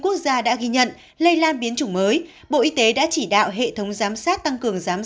quốc gia đã ghi nhận lây lan biến chủng mới bộ y tế đã chỉ đạo hệ thống giám sát tăng cường giám